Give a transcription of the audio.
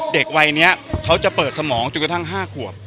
เด็กวัยนี้เขาจะเปิดสมองจนกระทั่ง๕ขวบ